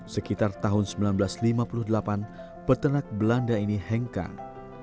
sekitar tahun seribu sembilan ratus lima puluh delapan peternak belanda ini hengkang